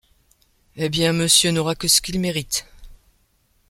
Eh bien, monsieur n’aura que ce qu’il mérite !